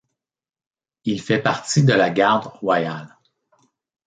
Il fait partie de la garde Royale.